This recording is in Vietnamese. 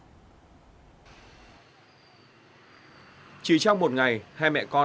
chỉ trong một ngày hai mẹ của hữu đã bị bắt giữ các đối tượng góp phần giữ vững an ninh trật tự trên địa bàn